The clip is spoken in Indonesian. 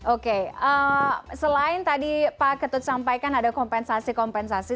oke selain tadi pak ketut sampaikan ada kompensasi kompensasi